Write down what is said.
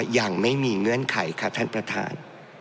ยังไม่มีเงื่อนไขค่ะท่านประธาน